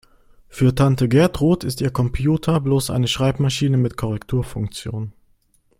Für Tante Gertrud ist ihr Computer bloß eine Schreibmaschine mit Korrekturfunktion.